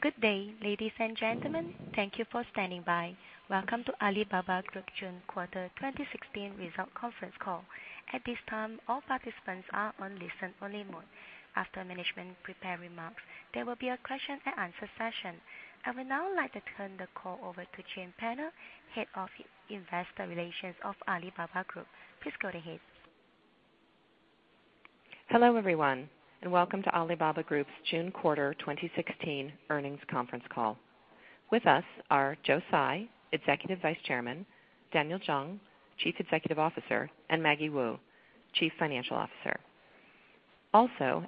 Good day, ladies and gentlemen. Thank you for standing by. Welcome to Alibaba Group June quarter 2016 result conference call. At this time, all participants are on listen-only mode. After management prepared remarks, there will be a question and answer session. I would now like to turn the call over to Rob Lin, Head of Investor Relations, Alibaba Group. Please go ahead. Hello, everyone, and welcome to Alibaba Group's June quarter 2016 earnings conference call. With us are Joe Tsai, Executive Vice Chairman, Daniel Zhang, Chief Executive Officer, and Maggie Wu, Chief Financial Officer.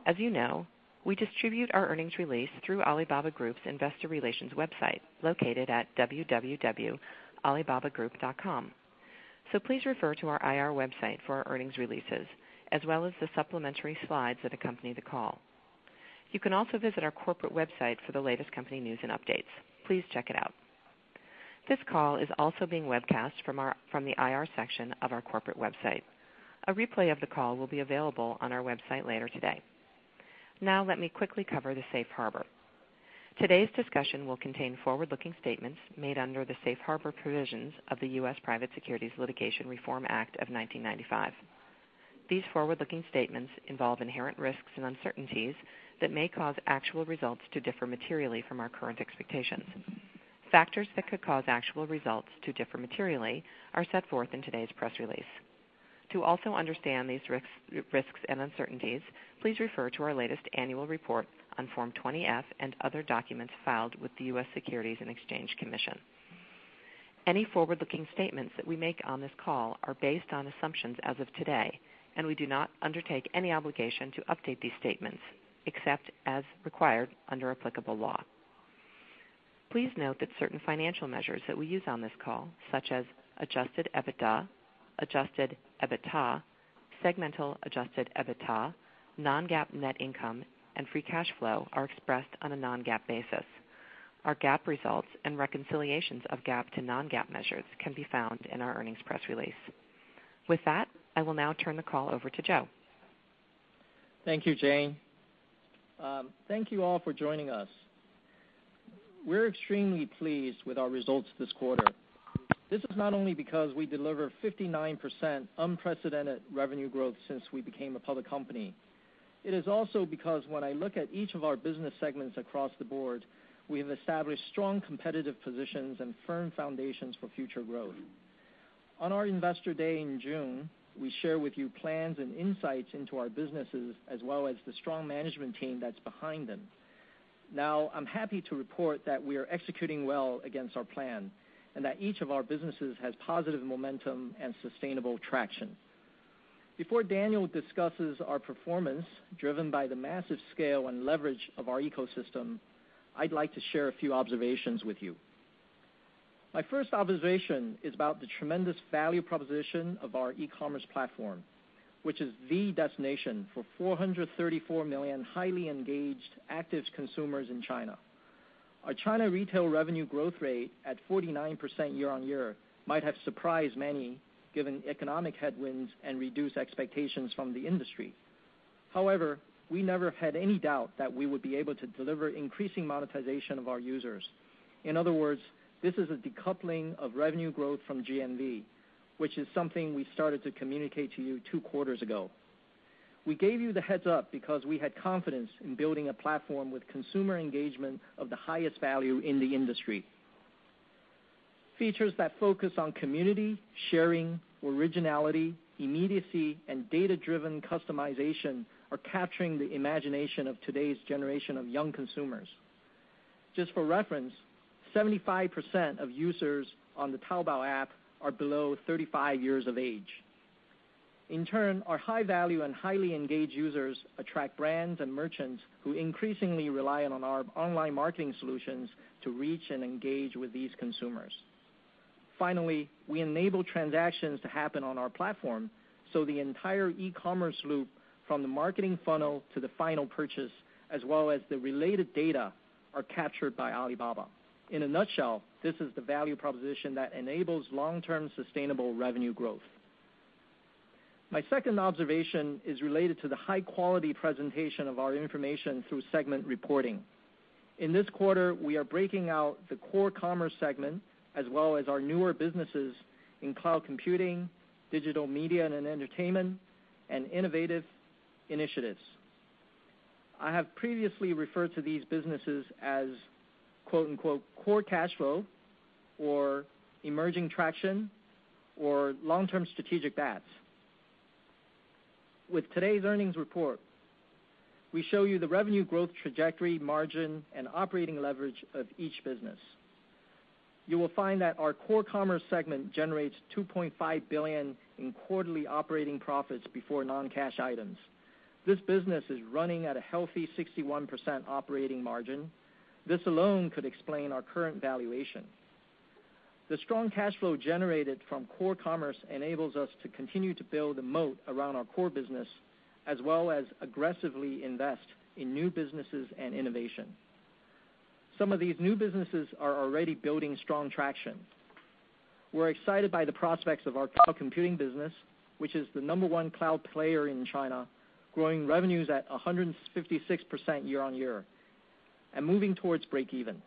As you know, we distribute our earnings release through Alibaba Group's investor relations website located at www.alibabagroup.com. Please refer to our IR website for our earnings releases as well as the supplementary slides that accompany the call. You can also visit our corporate website for the latest company news and updates. Please check it out. This call is also being webcast from the IR section of our corporate website. A replay of the call will be available on our website later today. Let me quickly cover the safe harbor. Today's discussion will contain forward-looking statements made under the safe harbor provisions of the U.S. Private Securities Litigation Reform Act of 1995. These forward-looking statements involve inherent risks and uncertainties that may cause actual results to differ materially from our current expectations. Factors that could cause actual results to differ materially are set forth in today's press release. To also understand these risks, and uncertainties, please refer to our latest annual report on Form 20-F and other documents filed with the U.S. Securities and Exchange Commission. Any forward-looking statements that we make on this call are based on assumptions as of today. We do not undertake any obligation to update these statements except as required under applicable law. Please note that certain financial measures that we use on this call, such as adjusted EBITDA, segmental adjusted EBITDA, non-GAAP net income, and free cash flow, are expressed on a non-GAAP basis. Our GAAP results and reconciliations of GAAP to non-GAAP measures can be found in our earnings press release. With that, I will now turn the call over to Joe. Thank you, Rob Lin. Thank you all for joining us. We're extremely pleased with our results this quarter. This is not only because we deliver 59% unprecedented revenue growth since we became a public company. It is also because when I look at each of our business segments across the board, we have established strong competitive positions and firm foundations for future growth. On our Investor Day in June, we share with you plans and insights into our businesses as well as the strong management team that's behind them. I'm happy to report that we are executing well against our plan and that each of our businesses has positive momentum and sustainable traction. Before Daniel Zhang discusses our performance driven by the massive scale and leverage of our ecosystem, I'd like to share a few observations with you. My first observation is about the tremendous value proposition of our e-commerce platform, which is the destination for 434 million highly engaged, active consumers in China. Our China retail revenue growth rate at 49% year-on-year might have surprised many given economic headwinds and reduced expectations from the industry. We never had any doubt that we would be able to deliver increasing monetization of our users. In other words, this is a decoupling of revenue growth from GMV, which is something we started to communicate to you Q2 ago. We gave you the heads-up because we had confidence in building a platform with consumer engagement of the highest value in the industry. Features that focus on community, sharing, originality, immediacy, and data-driven customization are capturing the imagination of today's generation of young consumers. Just for reference, 75% of users on the Taobao app are below 35 years of age. In turn, our high-value and highly engaged users attract brands and merchants who increasingly rely on our online marketing solutions to reach and engage with these consumers. Finally, we enable transactions to happen on our platform, so the entire e-commerce loop from the marketing funnel to the final purchase as well as the related data are captured by Alibaba. In a nutshell, this is the value proposition that enables long-term sustainable revenue growth. My second observation is related to the high-quality presentation of our information through segment reporting. In this quarter, we are breaking out the Core Commerce segment as well as our newer businesses in Cloud Computing, Digital Media and Entertainment, and Innovative Initiatives. I have previously referred to these businesses as, quote-unquote, "core cash flow" or "emerging traction" or "long-term strategic bets." With today's earnings report, we show you the revenue growth trajectory, margin, and operating leverage of each business. You will find that our core commerce segment generates 2.5 billion in quarterly operating profits before non-cash items. This business is running at a healthy 61% operating margin. This alone could explain our current valuation. The strong cash flow generated from core commerce enables us to continue to build a moat around our core business as well as aggressively invest in new businesses and innovation. Some of these new businesses are already building strong traction. We're excited by the prospects of our cloud computing business, which is the numberone cloud player in China, growing revenues at 156% year-on-year and moving towards break even.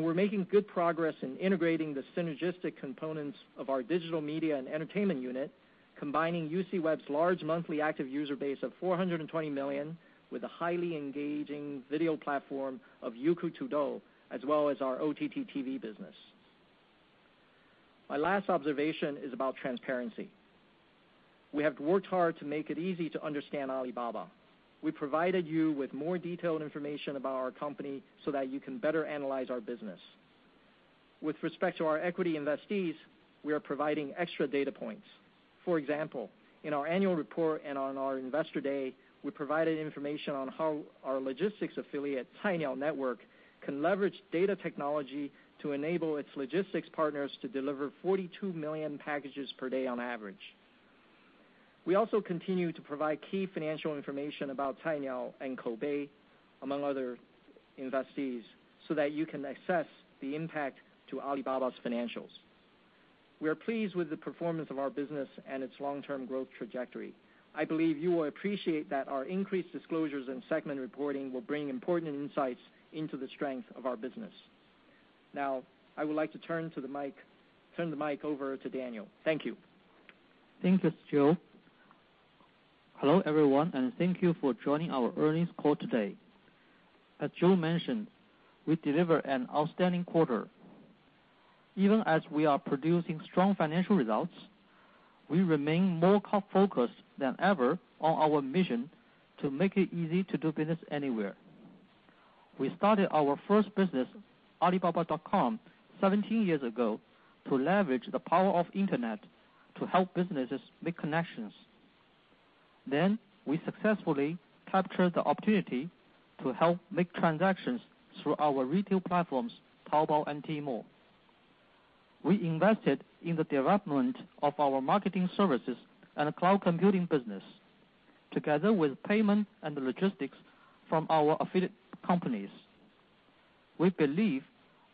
We're making good progress in integrating the synergistic components of our Digital Media and Entertainment Group, combining UCWeb's large monthly active user base of 420 million with a highly engaging video platform of Youku Tudou, as well as our OTT TV business. My last observation is about transparency. We have worked hard to make it easy to understand Alibaba. We provided you with more detailed information about our company so that you can better analyze our business. With respect to our equity investees, we are providing extra data points. For example, in our annual report and on our Investor Day, we provided information on how our logistics affiliate, Cainiao Network, can leverage data technology to enable its logistics partners to deliver 42 million packages per day on average. We also continue to provide key financial information about Cainiao and Koubei, among other investees, so that you can assess the impact to Alibaba's financials. We are pleased with the performance of our business and its long-term growth trajectory. I believe you will appreciate that our increased disclosures in segment reporting will bring important insights into the strength of our business. I would like to turn the mic over to Daniel. Thank you. Thank you, Joe. Hello, everyone, and thank you for joining our earnings call today. As Joe mentioned, we delivered an outstanding quarter. Even as we are producing strong financial results, we remain more focused than ever on our mission to make it easy to do business anywhere. We started our first business, Alibaba.com, 17 years ago to leverage the power of internet to help businesses make connections. We successfully captured the opportunity to help make transactions through our retail platforms, Taobao and Tmall. We invested in the development of our marketing services and cloud computing business, together with payment and logistics from our affiliate companies. We believe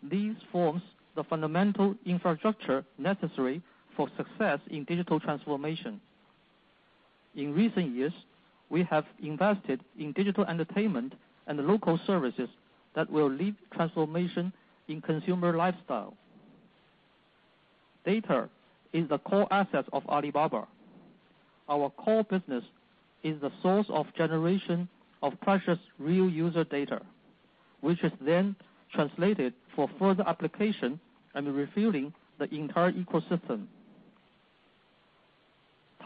these forms the fundamental infrastructure necessary for success in digital transformation. In recent years, we have invested in digital entertainment and local services that will lead transformation in consumer lifestyle. Data is the core asset of Alibaba. Our core business is the source of generation of precious real user data, which is then translated for further application and refueling the entire ecosystem.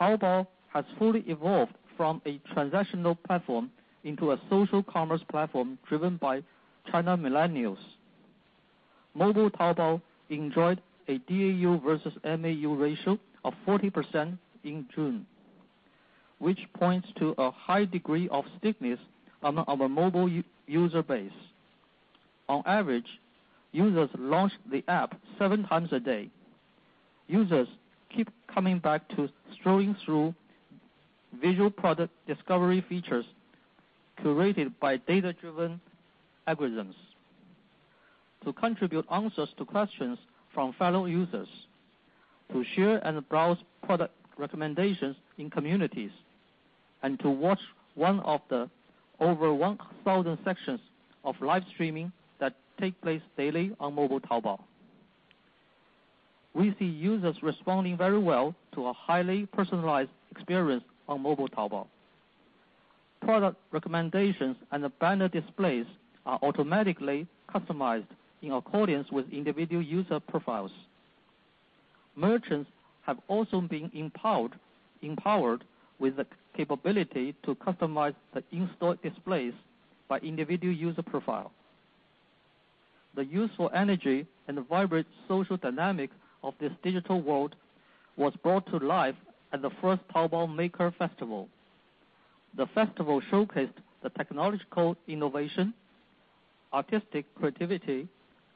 Taobao has fully evolved from a transactional platform into a social commerce platform driven by China millennials. Mobile Taobao enjoyed a DAU versus MAU ratio of 40% in June, which points to a high degree of stickiness among our mobile user base. On average, users launch the app seven times a day. Users keep coming back to scrolling through visual product discovery features curated by data-driven algorithms to contribute answers to questions from fellow users, to share and browse product recommendations in communities, and to watch one of the over 1,000 sessions of live streaming that take place daily on mobile Taobao. We see users responding very well to a highly personalized experience on mobile Taobao. Product recommendations and the banner displays are automatically customized in accordance with individual user profiles. Merchants have also been empowered with the capability to customize the in-store displays by individual user profile. The useful energy and vibrant social dynamic of this digital world was brought to life at the first Taobao Maker Festival. The festival showcased the technological innovation, artistic creativity,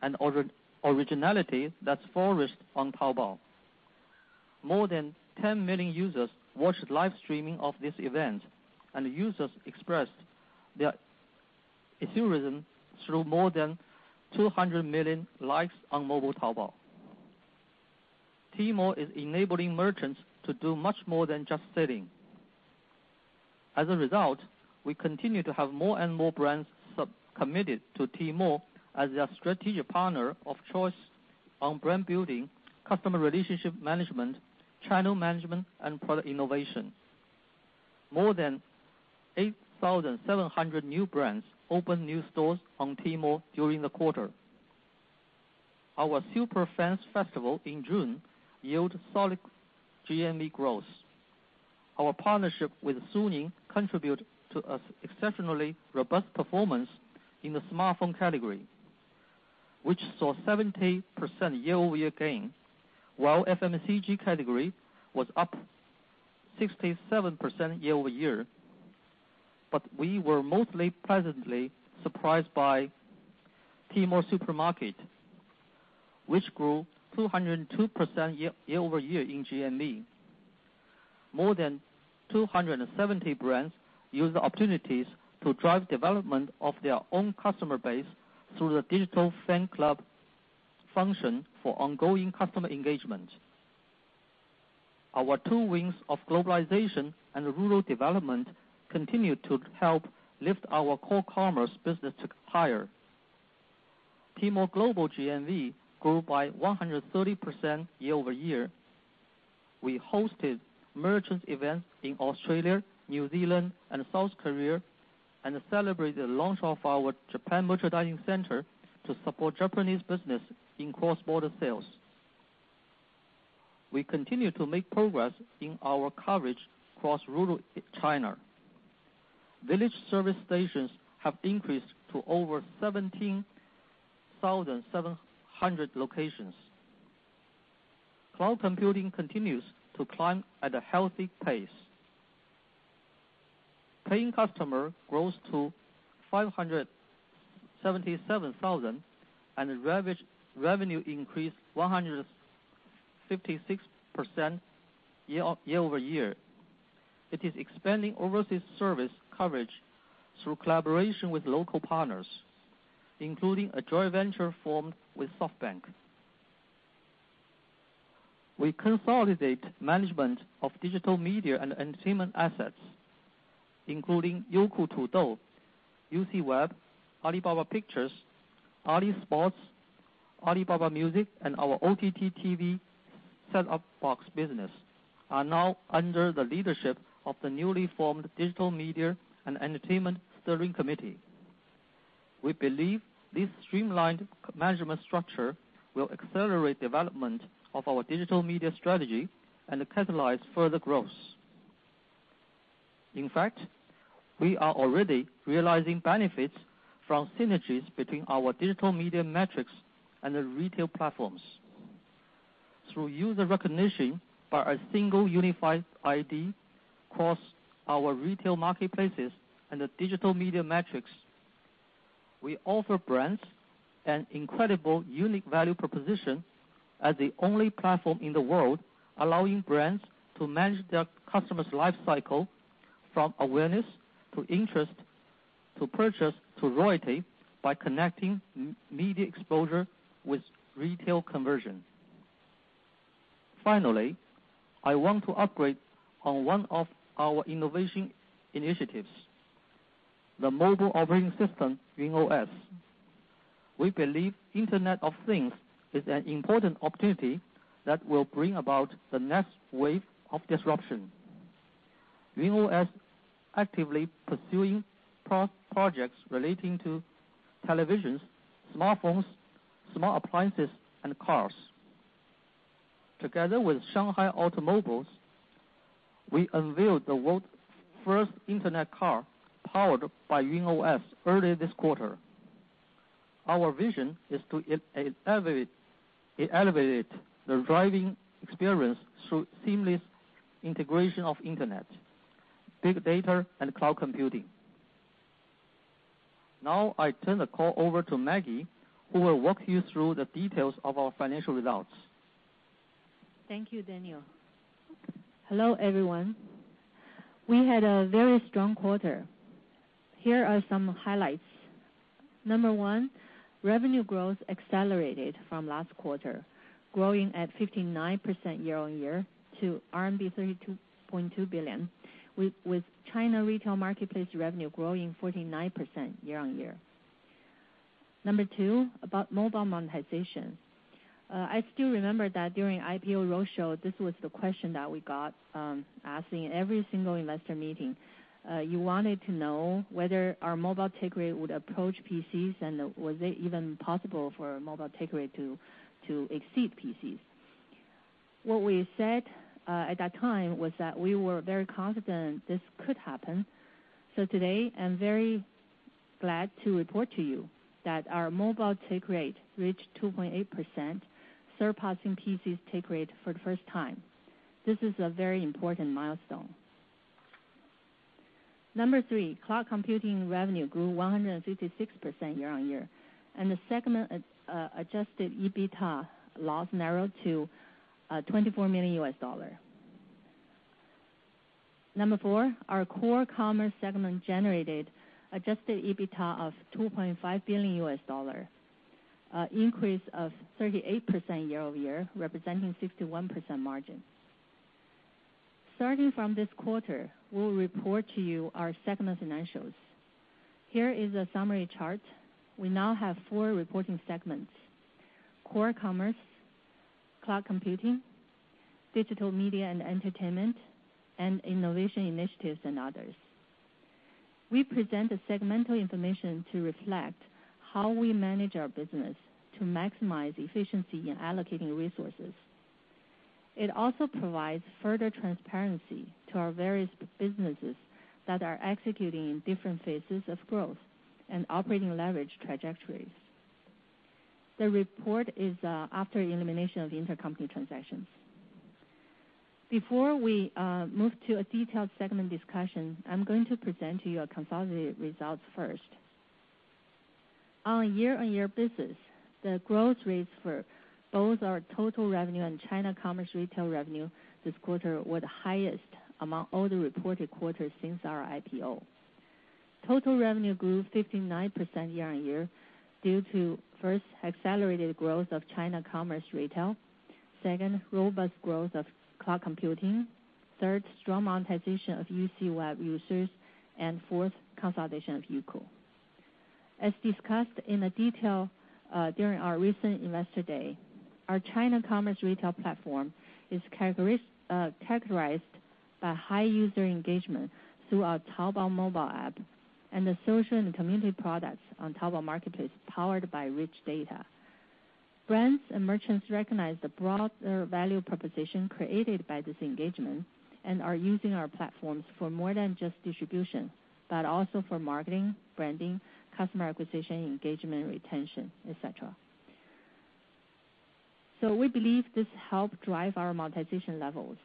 and originality that's flourished on Taobao. More than 10 million users watched live streaming of this event. Users expressed their enthusiasm through more than 200 million likes on mobile Taobao. Tmall is enabling merchants to do much more than just selling. As a result, we continue to have more and more brands committed to Tmall as their strategic partner of choice on brand building, customer relationship management, channel management, and product innovation. More than 8,700 new brands opened new stores on Tmall during the quarter. Our Super Fans Festival in June yield solid GMV growth. Our partnership with Suning contribute to an exceptionally robust performance in the smartphone category, which saw 70% year-over-year gain, while FMCG category was up 67% year-over-year. We were mostly pleasantly surprised by Tmall Supermarket, which grew 202% year-over-year in GMV. More than 270 brands use the opportunities to drive development of their own customer base through the digital fan club function for ongoing customer engagement. Our two wings of globalization and rural development continue to help lift our Core Commerce business higher. Tmall Global GMV grew by 130% year-over-year. We hosted merchants events in Australia, New Zealand, and South Korea, and celebrated the launch of our Japan merchandising center to support Japanese business in cross-border sales. We continue to make progress in our coverage across rural China. Village service stations have increased to over 17,700 locations. Cloud computing continues to climb at a healthy pace. Paying customer grows to 577,000, and the revenue increased 156% year-over-year. It is expanding overseas service coverage through collaboration with local partners, including a joint venture formed with SoftBank. We consolidate management of digital media and entertainment assets, including Youku Tudou, UCWeb, Alibaba Pictures, Alisports, AliMusic, and our OTT TV set-top box business are now under the leadership of the newly formed Digital Media and Entertainment Steering Committee. We believe this streamlined management structure will accelerate development of our digital media strategy and catalyze further growth. In fact, we are already realizing benefits from synergies between our digital media matrix and the retail platforms. Through user recognition by a single unified ID across our retail marketplaces and the digital media matrix, we offer brands an incredible unique value proposition as the only platform in the world, allowing brands to manage their customers' life cycle from awareness, to interest, to purchase, to loyalty by connecting media exposure with retail conversion. I want to upgrade on one of our innovation initiatives, the mobile operating system, YunOS. We believe Internet of Things is an important opportunity that will bring about the next wave of disruption. YunOS actively pursuing projects relating to televisions, smartphones, small appliances, and cars. Together with Shanghai automobiles, we unveiled the world first internet car powered by YunOS early this quarter. Our vision is to elevate the driving experience through seamless integration of internet, big data, and cloud computing. Now, I turn the call over to Maggie, who will walk you through the details of our financial results. Thank you, Daniel. Hello, everyone. We had a very strong quarter. Here are some highlights. Number one, revenue growth accelerated from last quarter, growing at 59% year-on-year to RMB 32.2 billion, with China retail marketplace revenue growing 49% year-on-year. Number two, about mobile monetization. I still remember that during IPO roadshow, this was the question that we got asking every single investor meeting. You wanted to know whether our mobile take rate would approach PCs, and was it even possible for mobile take rate to exceed PCs. What we said at that time was that we were very confident this could happen. Today, I'm very glad to report to you that our mobile take rate reached 2.8%, surpassing PCs take rate for the first time. This is a very important milestone. Number three, Cloud Computing revenue grew 156% year-on-year, and the segment adjusted EBITDA loss narrowed to $24 million. Number four, our Core Commerce segment generated adjusted EBITDA of $2.5 billion, increase of 38% year-over-year, representing 51% margin. Starting from this quarter, we will report to you our segment financials. Here is a summary chart. We now have four reporting segments: Core Commerce, Cloud Computing, Digital Media and Entertainment, and Innovation Initiatives and Others. We present the segmental information to reflect how we manage our business to maximize efficiency in allocating resources. It also provides further transparency to our various businesses that are executing in different phases of growth and operating leverage trajectories. The report is after elimination of the intercompany transactions. Before we move to a detailed segment discussion, I'm going to present to you our consolidated results first. On year-on-year basis, the growth rates for both our total revenue and China Commerce Retail revenue this quarter were the highest among all the reported quarters since our IPO. Total revenue grew 59% year-on-year due to first accelerated growth of China Commerce Retail. Second, robust growth of cloud computing. Third, strong monetization of UCWeb users. Fourth, consolidation of Youku. As discussed in detail, during our recent investor day, our China Commerce Retail platform is characterized by high user engagement through our Taobao mobile app and the social and community products on Taobao marketplace powered by rich data. Brands and merchants recognize the broader value proposition created by this engagement and are using our platforms for more than just distribution, but also for marketing, branding, customer acquisition, engagement, retention, et cetera. We believe this help drive our monetization levels.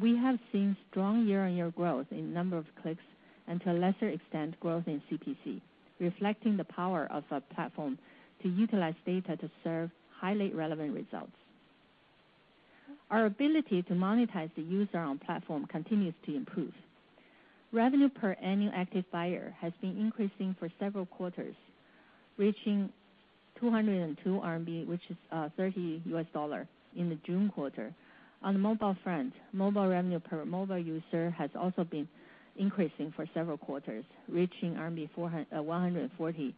We have seen strong year-on-year growth in number of clicks and to a lesser extent, growth in CPC, reflecting the power of our platform to utilize data to serve highly relevant results. Our ability to monetize the user on platform continues to improve. Revenue per annual active buyer has been increasing for several quarters, reaching 202 RMB, which is $30 in the June quarter. On the mobile front, mobile revenue per mobile user has also been increasing for several quarters, reaching RMB 140,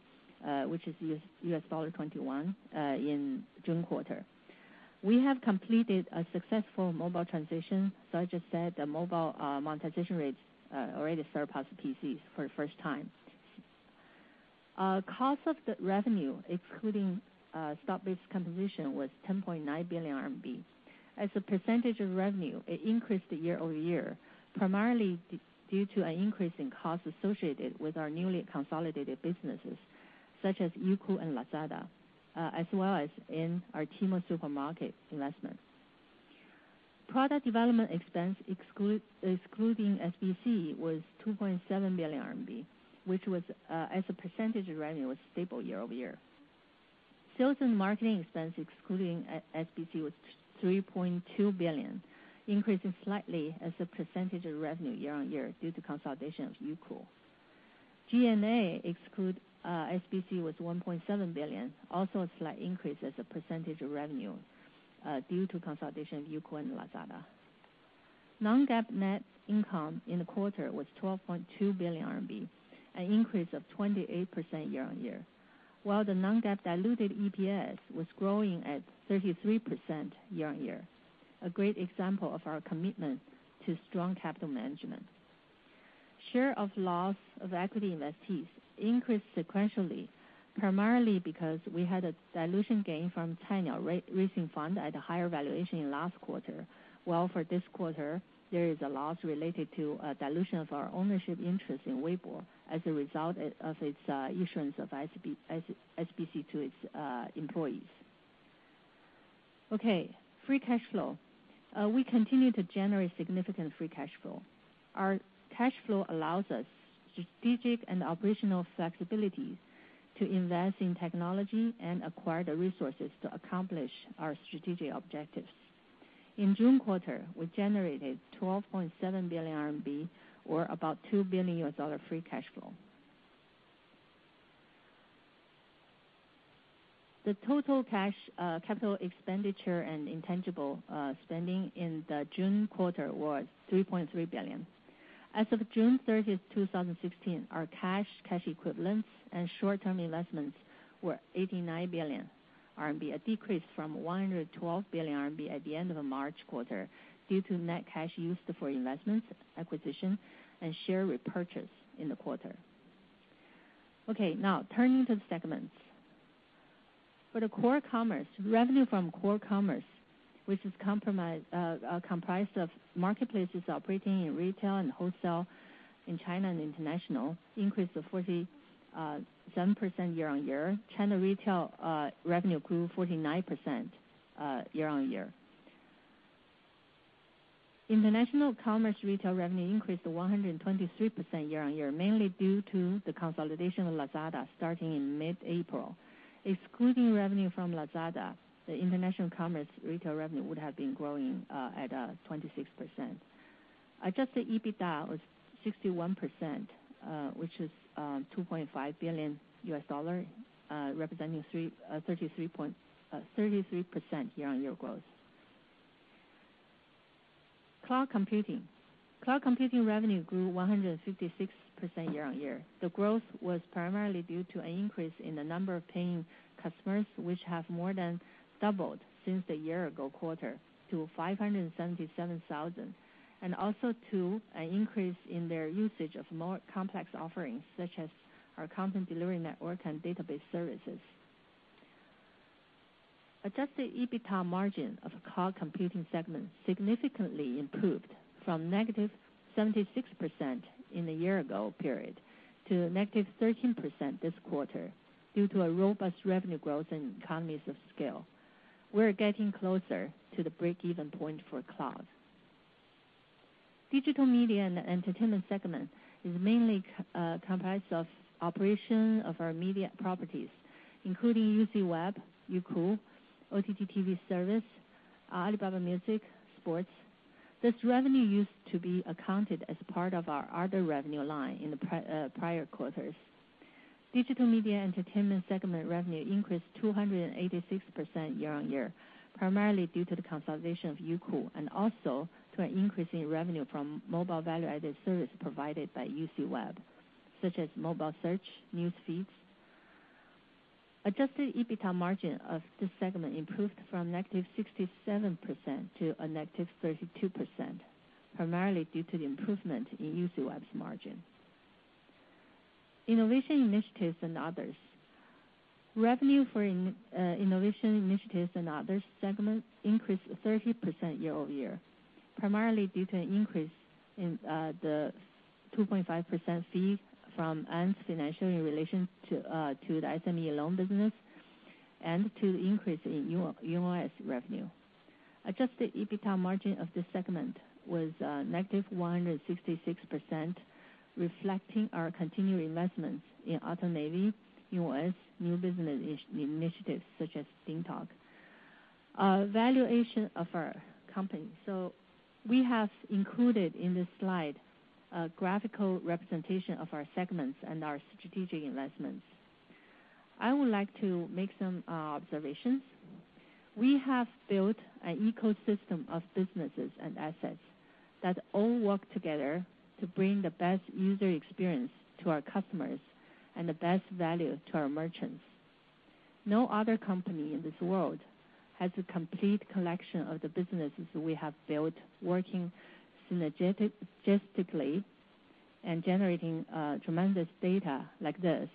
which is $21 in June quarter. We have completed a successful mobile transition. I just said the mobile monetization rates already surpass PCs for the first time. Cost of the revenue, excluding stock-based compensation, was 10.9 billion RMB. As a percentage of revenue, it increased year-over-year, primarily due to an increase in costs associated with our newly consolidated businesses such as Youku and Lazada, as well as in our Tmall Supermarket investment. Product development expense excluding SBC was 2.7 billion RMB, which was, as a percentage of revenue, stable year-over-year. Sales and marketing expense excluding SBC was 3.2 billion, increasing slightly as a percentage of revenue year-on-year due to consolidation of Youku. GA exclude SBC was 1.7 billion. Also a slight increase as a percentage of revenue, due to consolidation of Youku and Lazada. Non-GAAP net income in the quarter was 12.2 billion RMB, an increase of 28% year-on-year. The non-GAAP diluted EPS was growing at 33% year-on-year, a great example of our commitment to strong capital management. Share of loss of equity investees increased sequentially, primarily because we had a dilution gain from Cainiao at a higher valuation in last quarter, while for this quarter there is a loss related to a dilution of our ownership interest in Weibo as a result of its issuance of SBC to its employees. Okay, free cash flow. We continue to generate significant free cash flow. Our cash flow allows us strategic and operational flexibilities to invest in technology and acquire the resources to accomplish our strategic objectives. In June quarter, we generated 12.7 billion RMB or about $2 billion free cash flow. The total cash, capital expenditure and intangible spending in the June quarter was 3.3 billion. As of June 30, 2016, our cash equivalents and short-term investments were 89 billion RMB, a decrease from 112 billion RMB at the end of the March quarter due to net cash used for investments, acquisition and share repurchase in the quarter. Turning to the segments. For the core commerce, revenue from core commerce, which is comprised of marketplaces operating in retail and wholesale in China and international, increased to 47% year-on-year. China retail revenue grew 49% year-on-year. International commerce retail revenue increased to 123% year-on-year, mainly due to the consolidation of Lazada starting in mid-April. Excluding revenue from Lazada, the international commerce retail revenue would have been growing at 26%. Adjusted EBITDA was 61%, which is $2.5 billion, representing 33% year-on-year growth. Cloud computing. Cloud computing revenue grew 156% year-on-year. The growth was primarily due to an increase in the number of paying customers, which have more than doubled since the year ago quarter to 577,000, and also to an increase in their usage of more complex offerings such as our content delivery network and database services. Adjusted EBITDA margin of cloud computing segment significantly improved from negative 76% in the year-ago period to negative 13% this quarter due to a robust revenue growth in economies of scale. We're getting closer to the break-even point for cloud. Digital Media and Entertainment Group is mainly comprised of operation of our media properties, including UCWeb, Youku, OTT TV service, AliMusic, Alisports. This revenue used to be accounted as part of our other revenue line in the prior quarters. Digital Media and Entertainment Group revenue increased 286% year-on-year, primarily due to the consolidation of Youku and also to an increase in revenue from mobile value-added service provided by UCWeb, such as mobile search, news feeds. Adjusted EBITDA margin of this segment improved from negative 67% to a negative 32%, primarily due to the improvement in UCWeb's margin. Innovation Initiatives and Others. Revenue for Innovation Initiatives and Others segment increased 30% year-over-year, primarily due to an increase in the 2.5% fee from Ant Financial in relation to the SME loan business and to the increase in YunOS revenue. Adjusted EBITDA margin of this segment was negative 166%, reflecting our continued investments in AutoNavi, YunOS, new business initiatives such as DingTalk. Valuation of our company. We have included in this slide a graphical representation of our segments and our strategic investments. I would like to make some observations. We have built an ecosystem of businesses and assets that all work together to bring the best user experience to our customers and the best value to our merchants. No other company in this world has the complete collection of the businesses we have built working synergistically and generating tremendous data like this.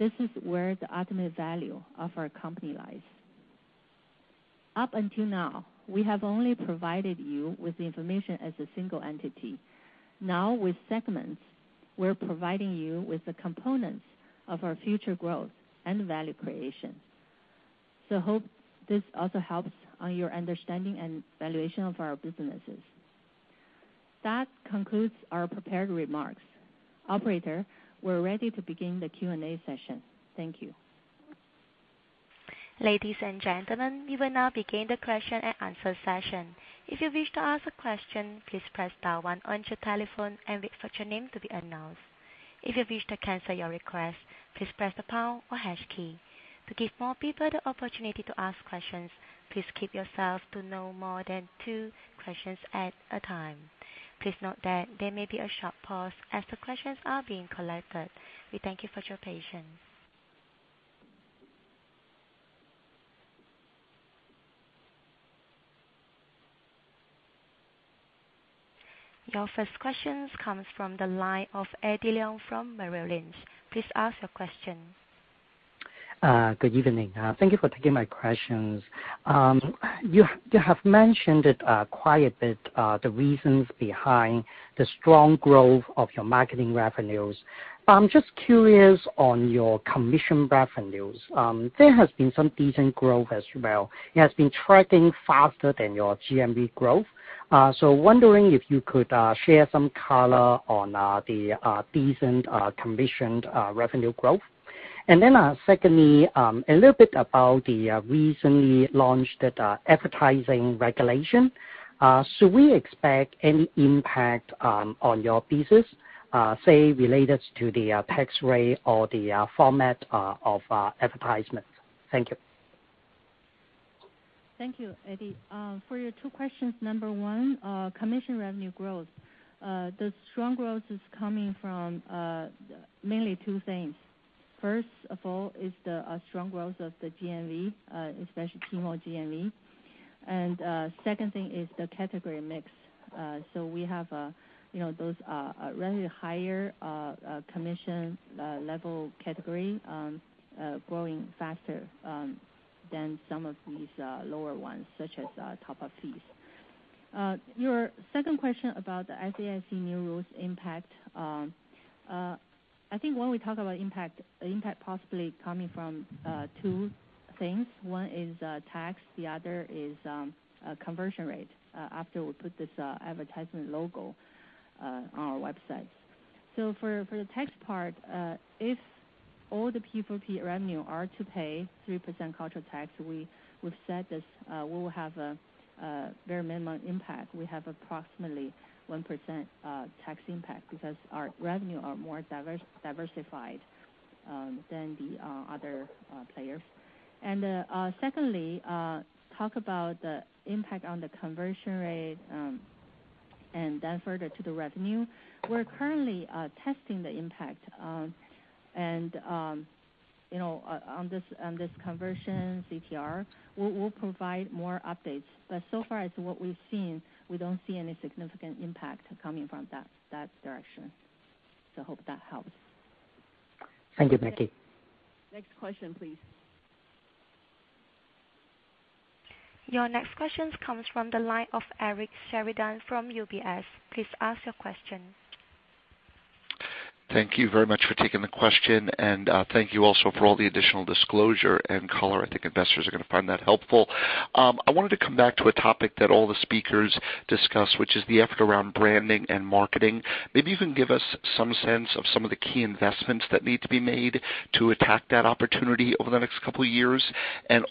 This is where the ultimate value of our company lies. Up until now, we have only provided you with the information as a single entity. Now, with segments, we're providing you with the components of our future growth and value creation. Hope this also helps on your understanding and valuation of our businesses. That concludes our prepared remarks. Operator, we're ready to begin the Q&A session. Thank you. Ladies and gentlemen, we will now begin the question and answer session. If you wish to ask a question, please press star one on your telephone and wait for your name to be announced. If you wish to cancel your request, please press the pound or hash key. To give more people the opportunity to ask questions, please keep yourself to no more than two questions at a time. Please note that there may be a short pause as the questions are being collected. We thank you for your patience. Your first question comes from the line of Eddie Leung from Merrill Lynch. Please ask your question. Good evening. Thank you for taking my questions. You have mentioned it quite a bit, the reasons behind the strong growth of your marketing revenues. I'm just curious on your commission revenues. There has been some decent growth as well. It has been tracking faster than your GMV growth. Wondering if you could share some color on the decent commission revenue growth. Secondly, a little bit about the recently launched advertising regulation. Should we expect any impact on your business, say related to the tax rate or the format of advertisements? Thank you. Thank you, Eddie Leung. For your two questions, number one, commission revenue growth. The strong growth is coming from mainly two things. First of all is the strong growth of the GMV, especially Tmall GMV. Second thing is the category mix. We have, you know, those really higher commission level category growing faster than some of these lower ones such as top-up fees. Your 2nd question about the SAIC new rules impact. I think when we talk about impact possibly coming from two things. one is tax, the other is conversion rate after we put this advertisement logo on our website. For the tax part, if all the P4P revenue are to pay 3% cultural construction fee, we've said this, we will have a very minimal impact. We have approximately 1% tax impact because our revenue are more diversified than the other players. Secondly, talk about the impact on the conversion rate and then further to the revenue. We're currently testing the impact. You know, on this conversion CTR, we'll provide more updates. So far as what we've seen, we don't see any significant impact coming from that direction. Hope that helps. Thank you, Maggie Wu. Next question, please. Your next question comes from the line of Eric Sheridan from UBS. Please ask your question. Thank you very much for taking the question. Thank you also for all the additional disclosure and color. I think investors are gonna find that helpful. I wanted to come back to a topic that all the speakers discussed, which is the effort around branding and marketing. Maybe you can give us some sense of some of the key investments that need to be made to attack that opportunity over the next couple of years.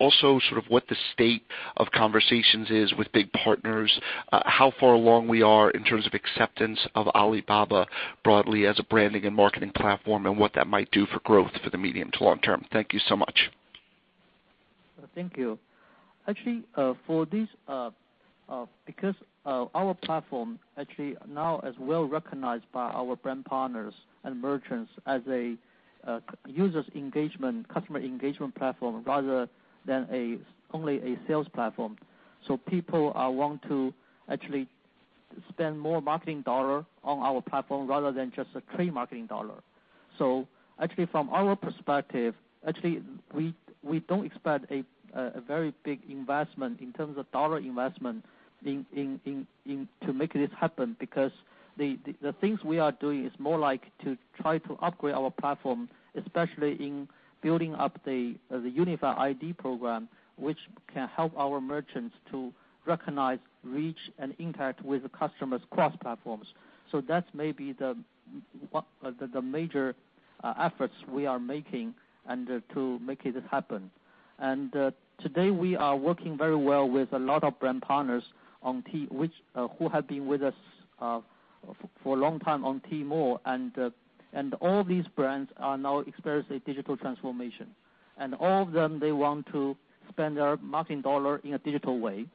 Also sort of what the state of conversations is with big partners, how far along we are in terms of acceptance of Alibaba broadly as a branding and marketing platform, and what that might do for growth for the medium to long term. Thank you so much. Thank you. Actually, for this, because our platform actually now is well-recognized by our brand partners and merchants as a user's engagement, customer engagement platform rather than only a sales platform. People want to actually spend more marketing dollar on our platform rather than just a free marketing dollar. Actually, from our perspective, we don't expect a very big investment in terms of dollar investment to make this happen. Because the things we are doing is more like to try to upgrade our platform, especially in building up the unified ID program, which can help our merchants to recognize, reach, and interact with the customers cross-platforms. That's maybe the major efforts we are making and to make it happen. Today we are working very well with a lot of brand partners on Tmall, which who have been with us for a long time on Tmall. All these brands are now experiencing digital transformation. All of them, they want to spend their marketing dollar in a digital way.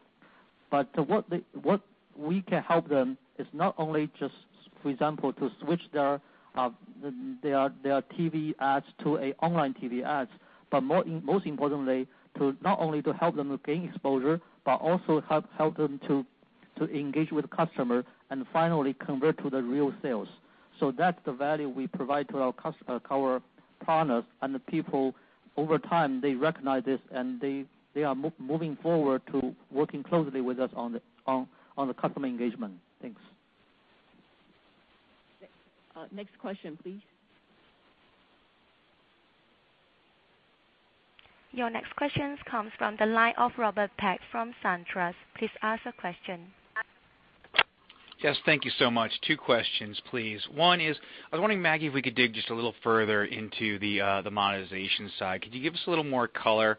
What they, what we can help them is not only just, for example, to switch their TV ads to a online TV ads, but most importantly, to not only to help them gain exposure, but also help them to engage with customer and finally convert to the real sales. That's the value we provide to our customer, to our partners and the people. Over time, they recognize this, and they are moving forward to working closely with us on the customer engagement. Thanks. Next question, please. Your next question comes from the line of Robert Peck from SunTrust. Please ask your question. Yes, thank you so much. two questions, please. One is I was wondering, Maggie, if we could dig just a little further into the monetization side. Could you give us a little more color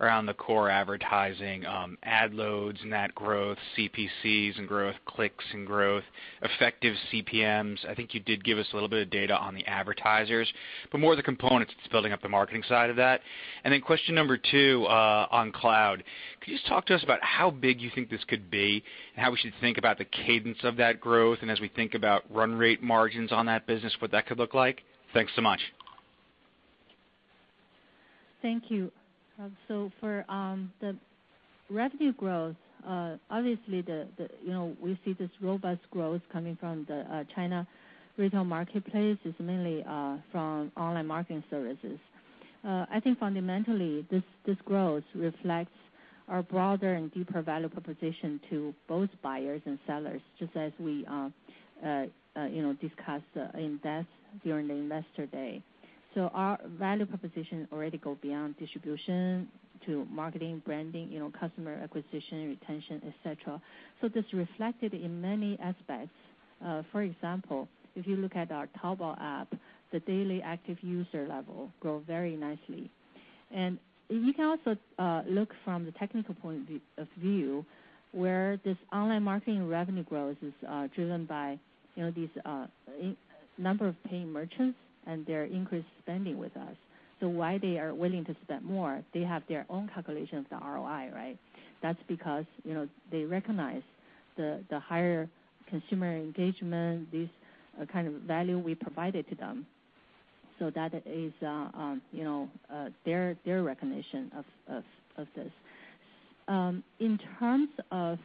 around the core advertising, ad loads, net growth, CPCs and growth, clicks and growth, effective CPMs? I think you did give us a little bit of data on the advertisers, but more of the components that's building up the marketing side of that. Question number two on cloud. Could you just talk to us about how big you think this could be and how we should think about the cadence of that growth and as we think about run rate margins on that business, what that could look like? Thanks so much. Thank you. For the revenue growth, obviously, you know, we see this robust growth coming from the China retail marketplace. It's mainly from online marketing services. I think fundamentally this growth reflects our broader and deeper value proposition to both buyers and sellers, just as we, you know, discussed in-depth during the Investor Day. Our value proposition already go beyond distribution to marketing, branding, you know, customer acquisition, retention, et cetera. This reflected in many aspects. For example, if you look at our Taobao app, the daily active user level grow very nicely. You can also look from the technical point of view, where this online marketing revenue growth is driven by, you know, these number of paying merchants and their increased spending with us. Why they are willing to spend more? They have their own calculation of the ROI, right? That's because, you know, they recognize the higher consumer engagement, this kind of value we provided to them. That is, you know, their recognition of this. In terms of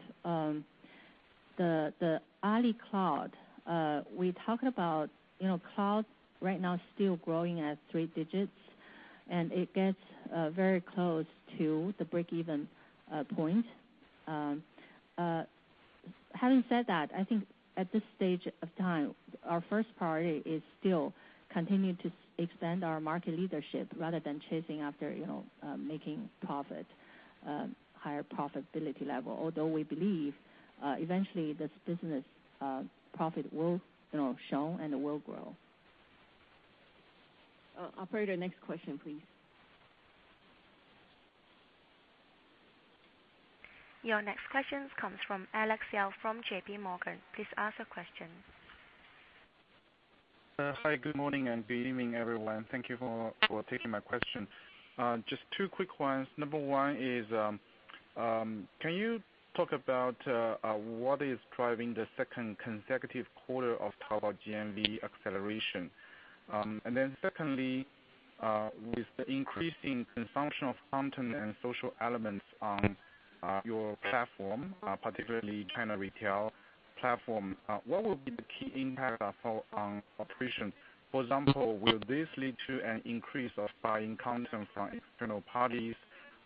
the Alibaba Cloud, we talked about, you know, cloud right now still growing at three digits, and it gets very close to the break-even point. Having said that, I think at this stage of time, our first priority is still continue to expand our market leadership rather than chasing after, you know, making profit, higher profitability level. We believe, eventually this business profit will, you know, shown and it will grow. Operator, next question, please. Your next question comes from Alex Yao from J.P. Morgan. Please ask your question. Hi, good morning and good evening, everyone. Thank you for taking my question. Just two quick ones. Number one is, can you talk about what is driving the second consecutive quarter of Taobao GMV acceleration? Secondly, with the increasing consumption of content and social elements on your platform, particularly China retail platform, what will be the key impact of how operation? For example, will this lead to an increase of buying content from external parties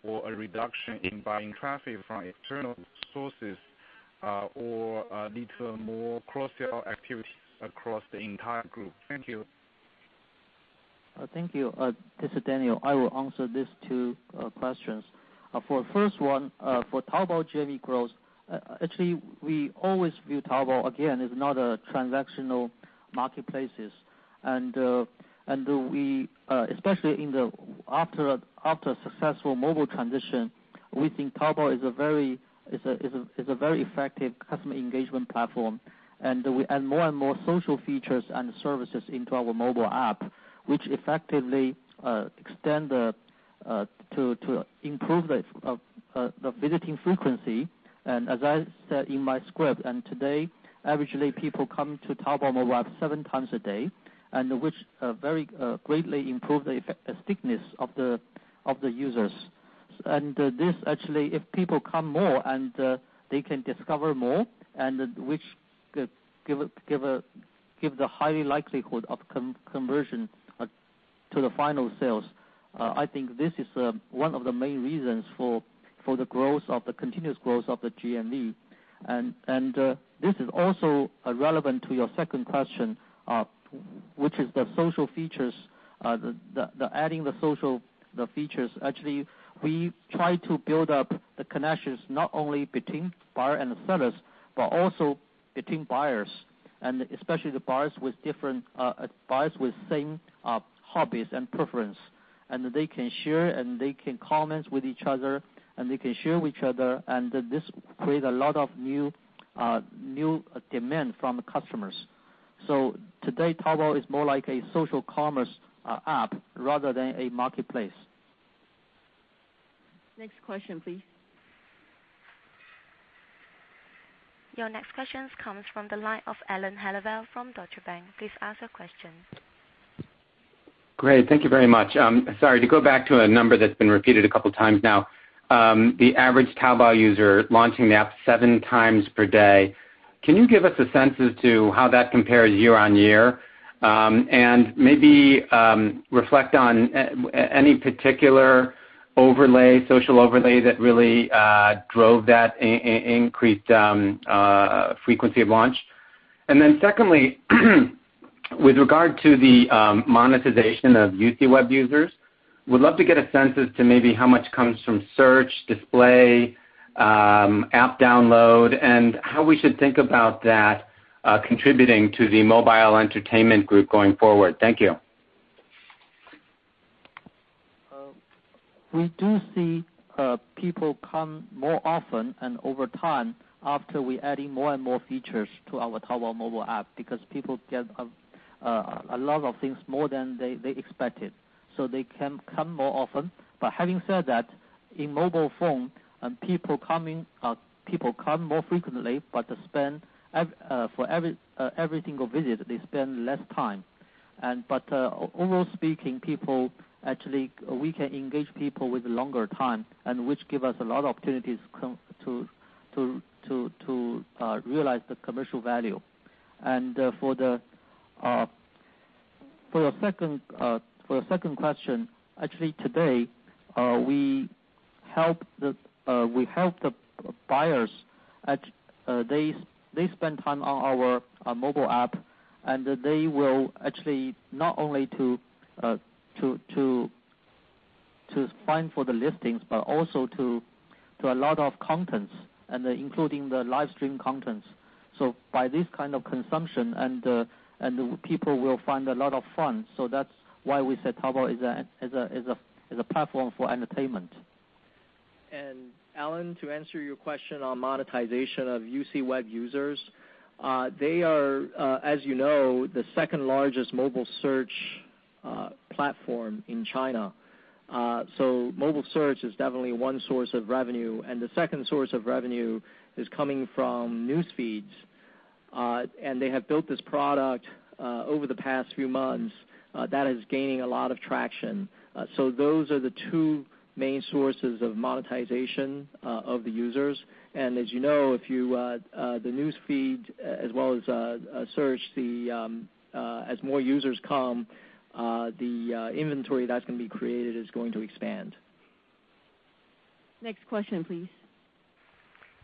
or a reduction in buying traffic from external sources? Lead to more cross-sell activities across the entire group. Thank you. Thank you. This is Daniel. I will answer these two questions. For first one, for Taobao GMV growth, actually, we always view Taobao, again, as not a transactional marketplace. especially in the after successful mobile transition, we think Taobao is a very effective customer engagement platform. We add more and more social features and services into our mobile app, which effectively to improve the visiting frequency. As I said in my script, and today, averagely people come to Taobao mobile app 7x a day, and which very greatly improve the stickiness of the users. This actually, if people come more, they can discover more, which give the highly likelihood of conversion to the final sales. I think this is one of the main reasons for the growth of the continuous growth of the GMV. This is also relevant to your second question, which is the social features. The adding the social features. Actually, we try to build up the connections not only between buyer and sellers, but also between buyers, and especially the buyers with different buyers with same hobbies and preference. They can comment with each other, and they can share with each other, and this create a lot of new demand from the customers. Today, Taobao is more like a social commerce app rather than a marketplace. Next question, please. Your next question comes from the line of Alan Hellawell from Deutsche Bank. Please ask your question. Great. Thank you very much. Sorry, to go back to a number that's been repeated a couple times now. The average Taobao user launching the app 7x per day, can you give us a sense as to how that compares year-on-year? Maybe reflect on any particular overlay, social overlay that really drove that increased frequency of launch? Secondly, with regard to the monetization of UCWeb users, would love to get a sense as to maybe how much comes from search, display, app download, and how we should think about that contributing to the Digital Media and Entertainment Group going forward. Thank you. We do see people come more often and over time after we adding more and more features to our Taobao mobile app, because people get a lot of things more than they expected, so they can come more often. Having said that, in mobile phone, people come more frequently, but spend for every single visit, they spend less time. Overall speaking, people, actually we can engage people with longer time, and which give us a lot of opportunities to realize the commercial value. For your second question, actually today, we help the buyers, they spend time on our mobile app, and they will actually not only to find for the listings, but also to a lot of contents, including the live stream contents. By this kind of consumption, people will find a lot of fun. That's why we said Taobao is a platform for entertainment. Alan, to answer your question on monetization of UCWeb users, they are, as you know, the second-largest mobile search platform in China. Mobile search is definitely one source of revenue, and the second source of revenue is coming from newsfeeds. They have built this product over the past few months that is gaining a lot of traction. Those are the two main sources of monetization of the users. As you know, if you, the newsfeed as well as search, the, as more users come, the, inventory that's gonna be created is going to expand. Next question, please.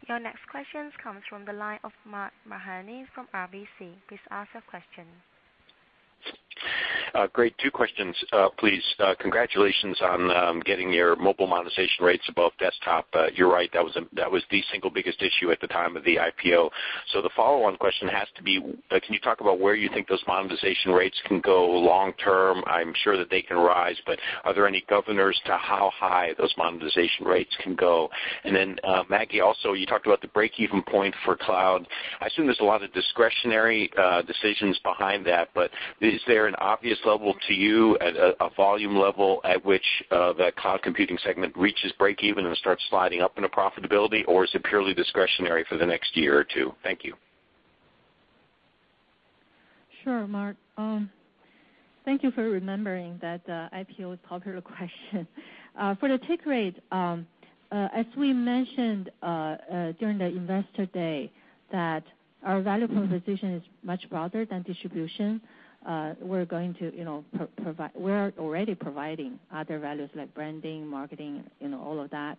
Your next question comes from the line of Mark Mahaney from RBC. Please ask your question. Great. Two questions, please. Congratulations on getting your mobile monetization rates above desktop. You're right, that was the single biggest issue at the time of the IPO. The follow-on question has to be, can you talk about where you think those monetization rates can go long term? I'm sure that they can rise, but are there any governors to how high those monetization rates can go? Maggie, also, you talked about the break-even point for cloud. I assume there's a lot of discretionary decisions behind that, but is there an obvious level to you at a volume level at which the cloud computing segment reaches break even and starts sliding up into profitability, or is it purely discretionary for the next year or two? Thank you. Sure, Mark. Thank you for remembering that IPO's popular question. For the take rate, as we mentioned during the investor day that our value proposition is much broader than distribution. We're already providing other values like branding, marketing, you know, all of that.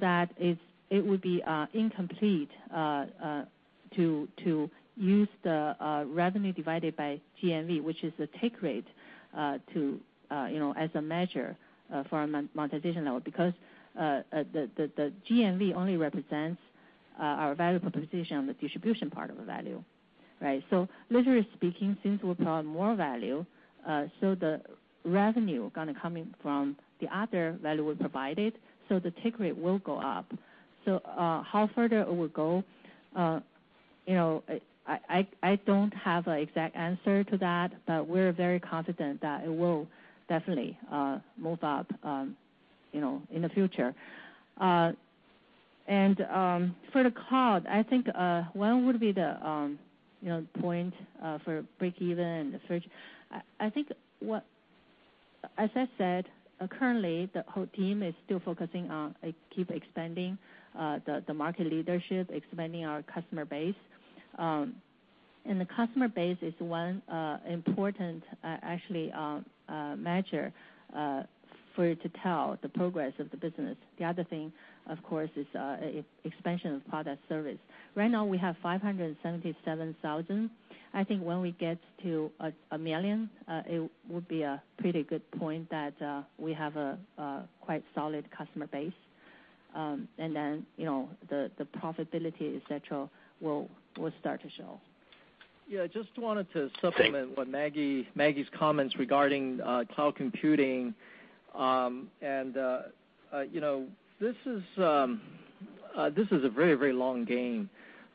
That it would be incomplete to use the revenue divided by GMV, which is the take rate, to, you know, as a measure for our monetization level. The GMV only represents our value proposition on the distribution part of the value, right? Literally speaking, since we provide more value, the revenue gonna come in from the other value we provided, the take rate will go up. How further it will go, you know, I don't have an exact answer to that, but we're very confident that it will definitely move up, you know, in the future. For the cloud, I think when would be the, you know, point for break even and the threshold? As I said, currently the whole team is still focusing on keep expanding the market leadership, expanding our customer base. The customer base is one important, actually, measure for you to tell the progress of the business. The other thing, of course, is expansion of product service. Right now, we have 577,000. I think when we get to 1 million, it would be a pretty good point that we have a quite solid customer base. You know, the profitability, et cetera, will start to show. Yeah, just wanted to supplement. Thanks. Maggie's comments regarding cloud computing. You know, this is a very, very long game.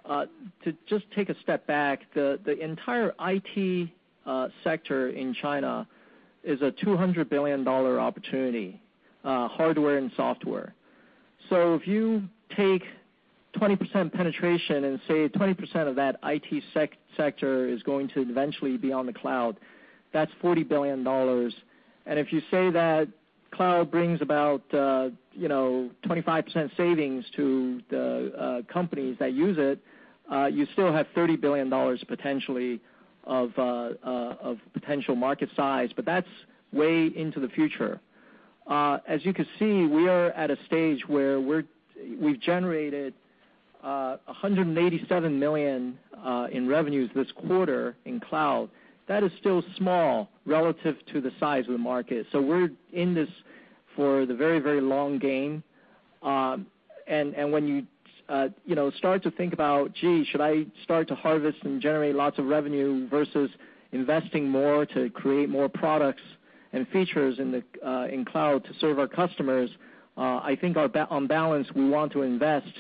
To just take a step back, the entire IT sector in China is a CNY 200 billion opportunity, hardware and software. If you take 20% penetration and say 20% of that IT sector is going to eventually be on the cloud, that's CNY 40 billion. If you say that cloud brings about, you know, 25% savings to the companies that use it, you still have CNY 30 billion potentially of potential market size, but that's way into the future. As you can see, we are at a stage where we've generated 187 million in revenues this quarter in cloud. That is still small relative to the size of the market. We're in this for the very, very long game. When you know, start to think about, gee, should I start to harvest and generate lots of revenue versus investing more to create more products and features in the Cloud to serve our customers, I think on balance, we want to invest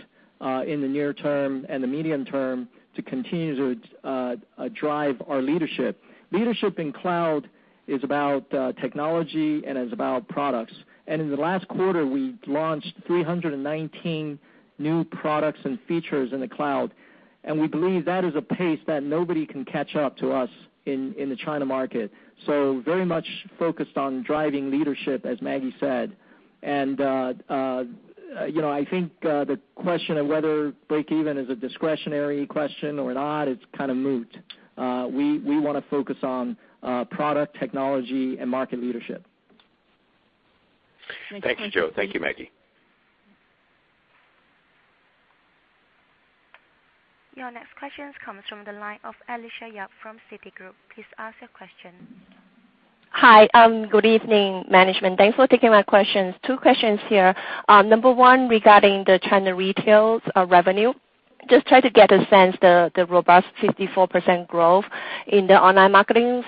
in the near term and the medium term to continue to drive our leadership. Leadership in Cloud is about technology and is about products. In the last quarter, we launched 319 new products and features in the Cloud, and we believe that is a pace that nobody can catch up to us in the China market. Very much focused on driving leadership, as Maggie said. You know, I think the question of whether break even is a discretionary question or not, it's kind of moot. We wanna focus on product, technology, and market leadership. Thank you, Joe. Thank you, Maggie. Your next question comes from the line of Alicia Yap from Citigroup. Please ask your question. Hi. Good evening, management. Thanks for taking my questions. Two questions here. Number one, regarding the China retails revenue. Just try to get a sense the robust 54% growth in the online marketings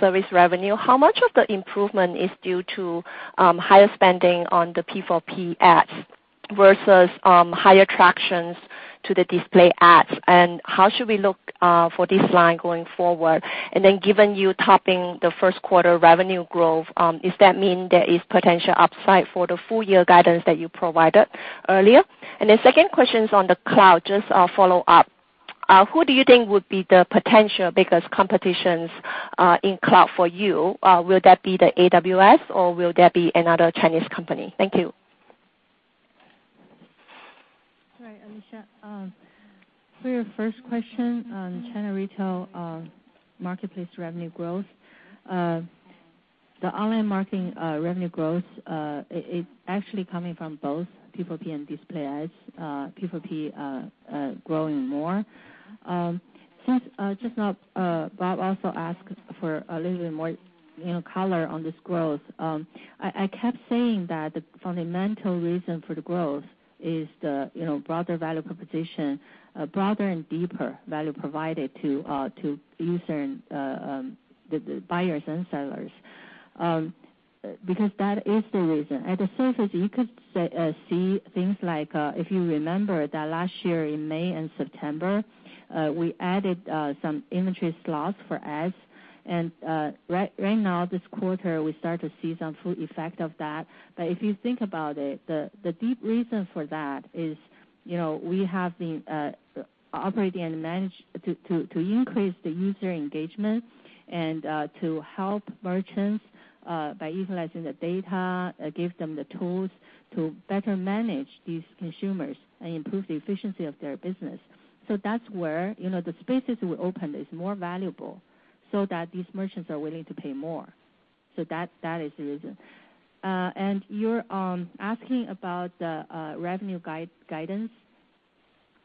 service revenue. How much of the improvement is due to higher spending on the P4P ads versus higher tractions to the display ads? How should we look for this line going forward? Given you topping the Q1 revenue growth, is that mean there is potential upside for the full year guidance that you provided earlier? The second question is on the cloud. Just a follow-up. Who do you think would be the potential biggest competitions in cloud for you? Will that be the AWS, or will that be another Chinese company? Thank you. All right, Alicia. For your first question on China retail marketplace revenue growth, the online marketing revenue growth actually coming from both P4P and display ads, P4P growing more. Since just now Bob also asked for a little bit more, you know, color on this growth, I kept saying that the fundamental reason for the growth is the, you know, broader value proposition, broader and deeper value provided to user and the buyers and sellers, because that is the reason. At the surface, you could say, see things like, if you remember that last year in May and September, we added some inventory slots for ads. Right now, this quarter, we start to see some full effect of that. If you think about it, the deep reason for that is, you know, we have been operating and manage to increase the user engagement and to help merchants by utilizing the data, give them the tools to better manage these consumers and improve the efficiency of their business. That's where, you know, the spaces we opened is more valuable. So that these merchants are willing to pay more. That is the reason. You're asking about the revenue guidance.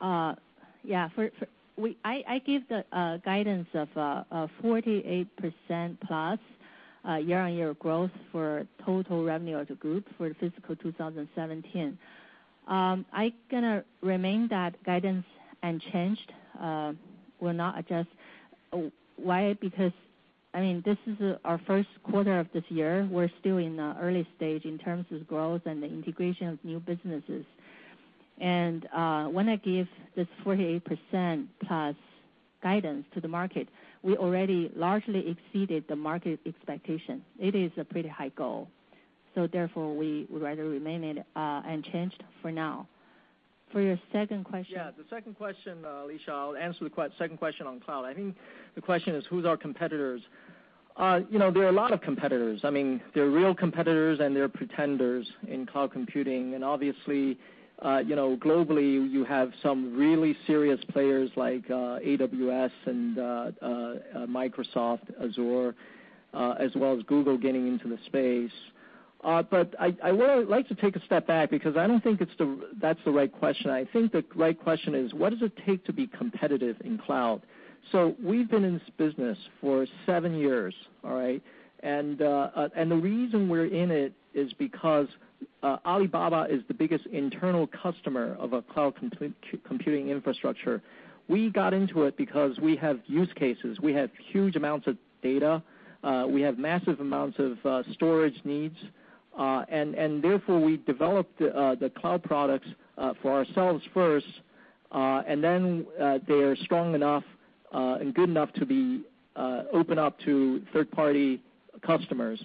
I give the guidance of a 48% plus year-on-year growth for total revenue of the group for the fiscal 2017. I gonna remain that guidance unchanged. We'll not adjust. Why? Because, I mean, this is our of this year.Q1. We're still in the early stage in terms of growth and the integration of new businesses. When I give this 48% plus guidance to the market, we already largely exceeded the market expectation. It is a pretty high goal. We would rather remain it unchanged for now. For your second question- Yeah, the second question, Alicia, I'll answer the second question on cloud. I think the question is who's our competitors? You know, there are a lot of competitors. I mean, there are real competitors, and there are pretenders in cloud computing. Obviously, you know, globally, you have some really serious players like AWS and Microsoft Azure, as well as Google getting into the space. I would like to take a step back because I don't think That's the right question. I think the right question is, what does it take to be competitive in cloud? We've been in this business for seven years, all right? The reason we're in it is because Alibaba is the biggest internal customer of a cloud computing infrastructure. We got into it because we have use cases. We have huge amounts of data. We have massive amounts of storage needs. Therefore, we developed the cloud products for ourselves first, and then they are strong enough and good enough to be open up to third-party customers.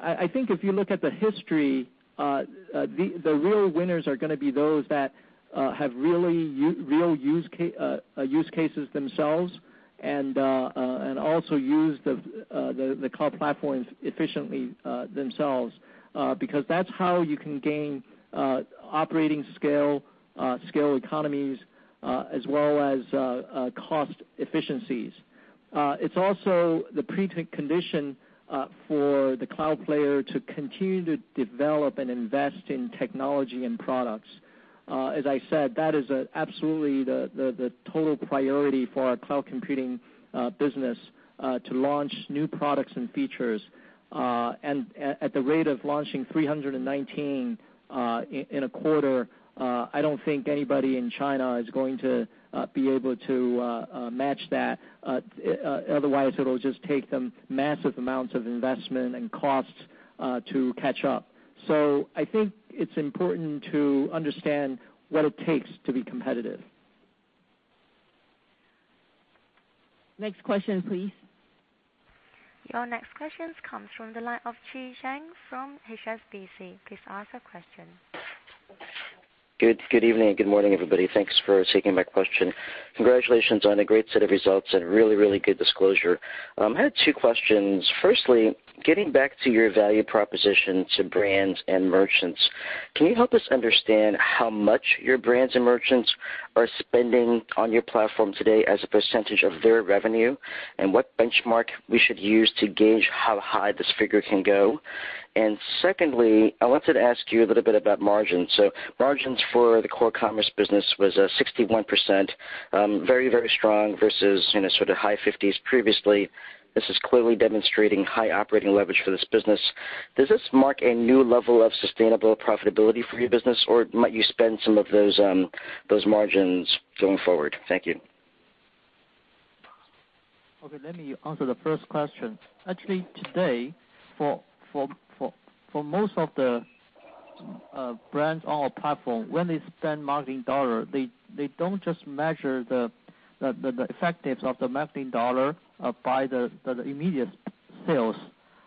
I think if you look at the history, the real winners are gonna be those that have really real use cases themselves and also use the cloud platforms efficiently themselves, because that's how you can gain operating scale economies, as well as cost efficiencies. It's also the pre-condition for the cloud player to continue to develop and invest in technology and products. As I said, that is absolutely the total priority for our cloud computing business to launch new products and features. At the rate of launching 319 in a quarter, I don't think anybody in China is going to be able to match that. Otherwise it'll just take them massive amounts of investment and costs to catch up. I think it's important to understand what it takes to be competitive. Next question, please. Your next question comes from the line of Chi Tsang from HSBC. Please ask your question. Good evening and good morning, everybody. Thanks for taking my question. Congratulations on a great set of results and a really, really good disclosure. I had twice questions. Getting back to your value proposition to brands and merchants, can you help us understand how much your brands and merchants are spending on your platform today as a percentage of their revenue, and what benchmark we should use to gauge how high this figure can go? Secondly, I wanted to ask you a little bit about margins. Margins for the core commerce business was 61%, very, very strong versus, you know, sort of high fifties previously. This is clearly demonstrating high operating leverage for this business. Does this mark a new level of sustainable profitability for your business, or might you spend some of those margins going forward? Thank you. Okay, let me answer the first question. Actually, today, for most of the brands on our platform, when they spend marketing dollar, they don't just measure the effectiveness of the marketing dollar by the immediate sales.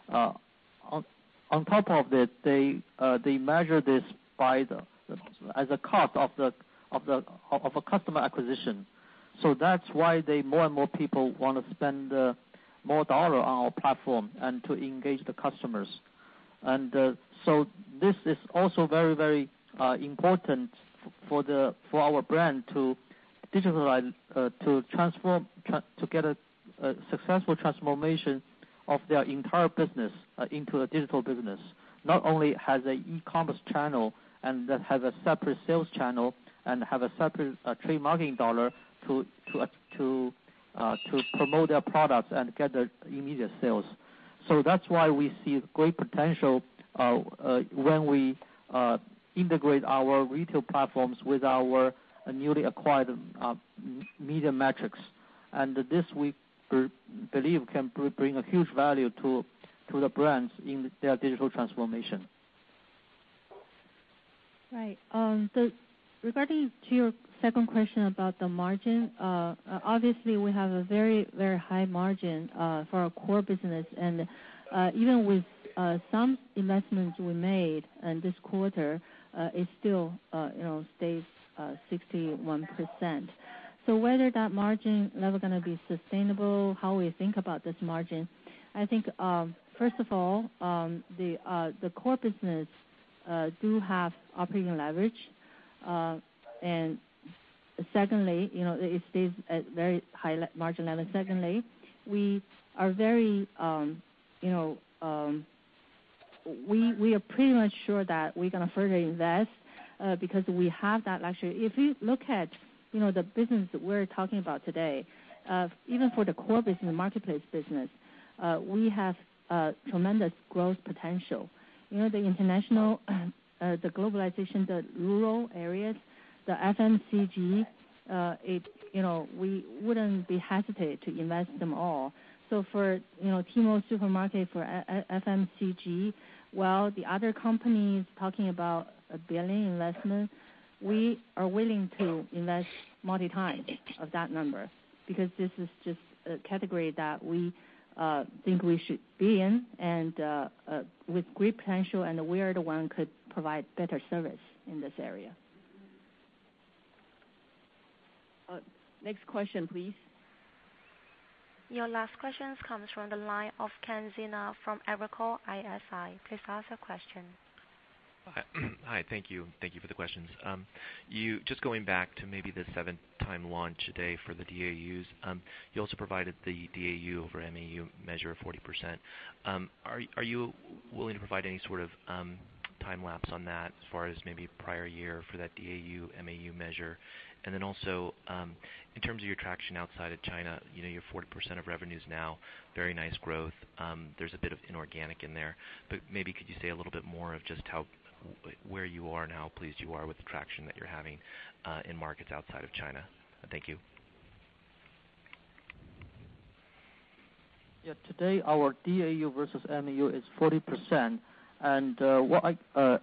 On top of it, they measure this by the cost of customer acquisition. That's why more and more people wanna spend more dollar on our platform and to engage the customers. This is also very important for our brand to digitalize, to transform, to get a successful transformation of their entire business into a digital business. Not only has a e-commerce channel and that has a separate sales channel and have a separate trade marketing dollar to promote their products and get the immediate sales. That's why we see great potential when we integrate our retail platforms with our newly acquired media matrix. This, we believe can bring a huge value to the brands in their digital transformation. Right. Regarding to your second question about the margin, obviously, we have a very, very high margin for our core business. Even with some investments we made in this quarter, it still, you know, stays 61%. Whether that margin level gonna be sustainable, how we think about this margin, I think, first of all, the core business do have operating leverage. Secondly, you know, it stays at very high margin level. Secondly, we are very, you know, we are pretty much sure that we're gonna further invest because we have that luxury. If you look at, you know, the business that we're talking about today, even for the core business, marketplace business, we have tremendous growth potential. You know, the international, the globalization, the rural areas, the FMCG, it, you know, we wouldn't be hesitant to invest them all. For, you know, Tmall Supermarket, for FMCG, while the other company is talking about a 1 billion investment, we are willing to invest multi times of that number because this is just a category that we think we should be in and with great potential, and we are the one could provide better service in this area. Next question, please. Your last question comes from the line of Ken Sena from Evercore ISI. Please ask your question. Hi. Thank you. Thank you for the questions. Just going back to maybe the seventh times launch day for the DAUs, you also provided the DAU over MAU measure of 40%. Are you willing to provide any sort of time lapse on that as far as maybe prior year for that DAU/MAU measure? Also, in terms of your traction outside of China, you know, your 40% of revenues now, very nice growth. There's a bit of inorganic in there. Maybe could you say a little bit more of just how, where you are and how pleased you are with the traction that you're having in markets outside of China? Thank you. Yeah, today, our DAU versus MAU is 40%.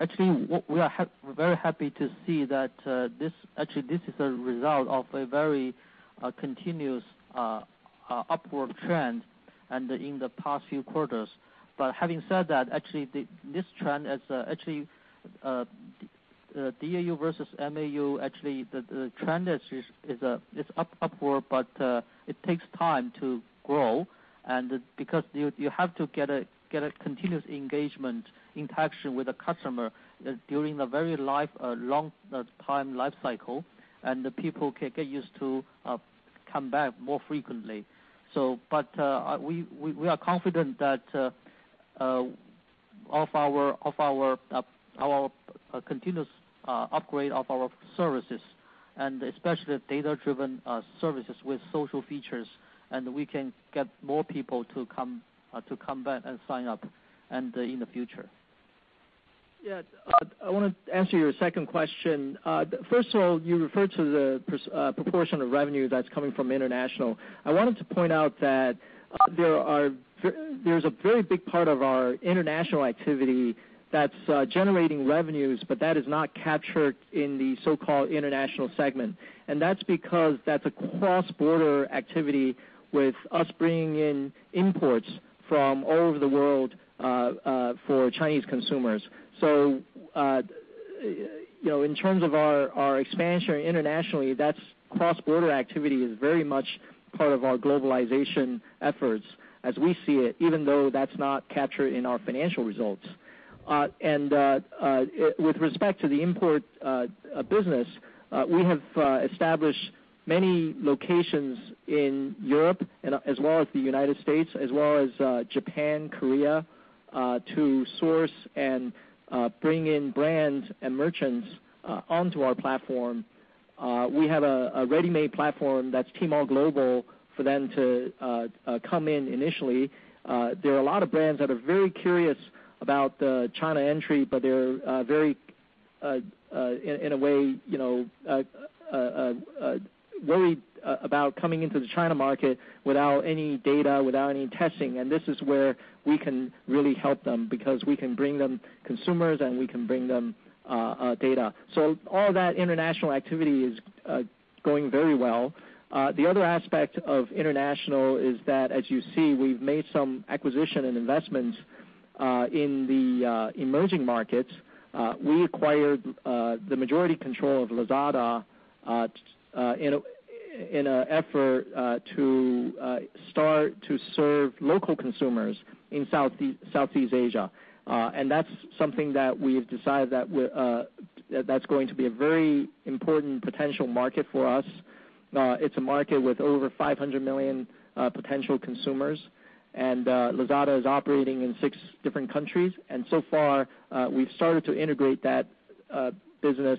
Actually, what we are very happy to see that this actually, this is a result of a very continuous upward trend in the past few quarters. Having said that, actually this trend is actually DAU versus MAU, actually, the trend is upward, it takes time to grow, because you have to get a continuous engagement interaction with the customer during a very long time life cycle, and the people can get used to come back more frequently. We are confident that of our continuous upgrade of our services and especially data-driven services with social features, and we can get more people to come back and sign up in the future. I wanna answer your second question. First of all, you referred to the proportion of revenue that's coming from international. I wanted to point out that there's a very big part of our international activity that's generating revenues, but that is not captured in the so-called international segment. That's because that's a cross-border activity with us bringing in imports from all over the world for Chinese consumers. You know, in terms of our expansion internationally, that cross-border activity is very much part of our globalization efforts as we see it, even though that's not captured in our financial results. With respect to the import business, we have established many locations in Europe and as well as the U.S., as well as Japan, Korea, to source and bring in brands and merchants onto our platform. We have a ready-made platform that's Tmall Global for them to come in initially. There are a lot of brands that are very curious about the China entry, but they're very in a way, you know, worried about coming into the China market without any data, without any testing, and this is where we can really help them because we can bring them consumers, and we can bring them data. All that international activity is going very well. The other aspect of international is that, as you see, we've made some acquisition and investments in the emerging markets. We acquired the majority control of Lazada in an effort to start to serve local consumers in Southeast Asia. That's something that we've decided that that's going to be a very important potential market for us. It's a market with over 500 million potential consumers, and Lazada is operating in 6 different countries. So far, we've started to integrate that business,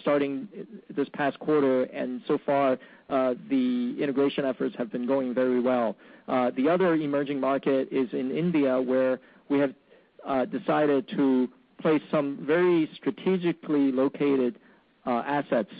starting this past quarter, and so far, the integration efforts have been going very well. The other emerging market is in India, where we have decided to place some very strategically located assets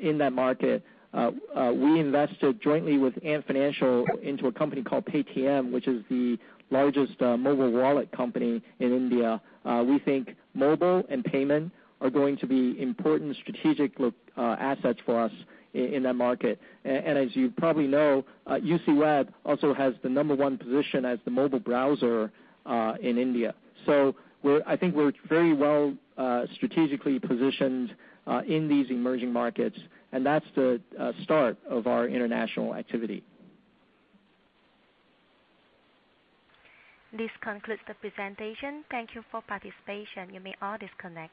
in that market. We invested jointly with Ant Financial into a company called Paytm, which is the largest mobile wallet company in India. We think mobile and payment are going to be important strategic assets for us in that market. As you probably know, UCWeb also has the number 1 position as the mobile browser in India. I think we're very well strategically positioned in these emerging markets, and that's the start of our international activity. This concludes the presentation. Thank you for participation. You may all disconnect.